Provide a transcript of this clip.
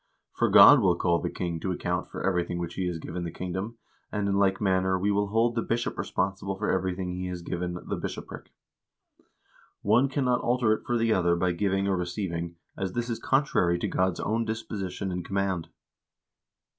For God will call the king to account for everything which he has given the kingdom, and, in like manner, he will hold the bishop responsible for everything which he has given the bishopric. One cannot alter it for the other by giving or re ceiving, as this is contrary to God's own disposition and command."